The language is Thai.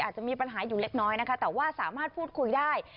อาจจะมีปัญหาอยู่เล็กน้อยนะคะแต่ว่าสามารถพูดคุยได้